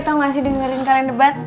tahu nggak sih dengerin kalian debat